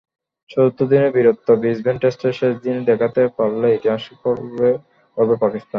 চতুর্থ দিনের বীরত্ব ব্রিসবেন টেস্টের শেষ দিনে দেখাতে পারলে ইতিহাসই গড়বে পাকিস্তান।